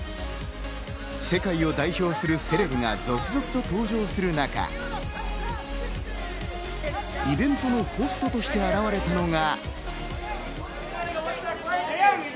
世界を代表するセレブが続々と登場する中、イベントのホストとして現れたのが。